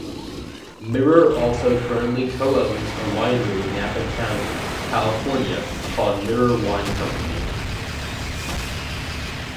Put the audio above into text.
Mirer also currently co-owns a winery in Napa County, California called Mirror Wine Company.